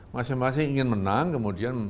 masing masing ingin menang kemudian